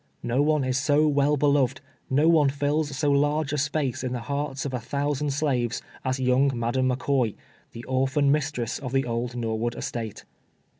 Ko one is so well beloved — no one fills so large a space in the hearts of a thous'and slaves, as young Madam McCoy, the orphan mistress of the old Norwood estate.